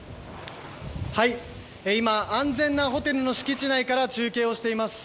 今、安全なホテルの敷地内から中継をしています。